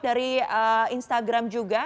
dari instagram juga